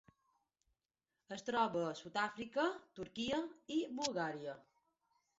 Es troba a Sud-àfrica, Turquia i Bulgària.